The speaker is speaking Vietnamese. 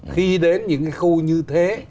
khi đến những cái khu như thế